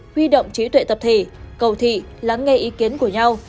huy động trí tuệ tập thể cầu thị lắng nghe ý kiến của nhau